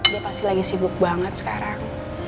dia pasti lagi sibuk banget sekarang